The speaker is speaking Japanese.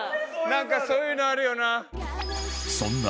なんかそういうのあるよな。